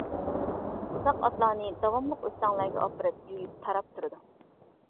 بۇنداق ئاتلارنى داۋاملىق ئۆستەڭلەرگە ئاپىرىپ يۇيۇپ-تاراپ تۇرىدۇ.